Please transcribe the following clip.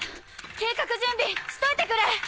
計画準備しといてくれ！